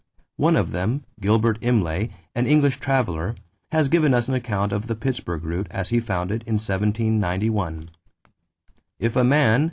One of them, Gilbert Imlay, an English traveler, has given us an account of the Pittsburgh route as he found it in 1791. "If a man